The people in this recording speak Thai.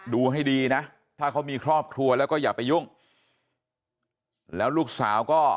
ดูให้ดีนะถ้าเขามีครอบครัวแล้วก็อย่าไปยุ่งแล้วลูกสาวก็